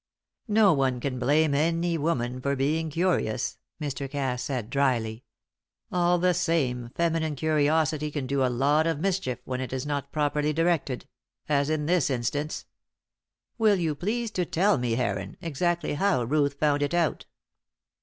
"No one can blame any woman for being curious," Mr. Cass said, drily. "All the same, feminine curiosity can do a lot of mischief when it is not properly directed as in this instance. Will you please to tell me, Heron, exactly how Ruth found it out?"